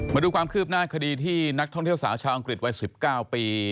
มาดูความคืบหน้าคดีที่นักท่องเที่ยวสาวชาวอังกฤษวัย๑๙ปี